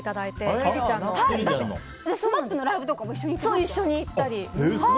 ＳＭＡＰのライブとかも一緒に行きました。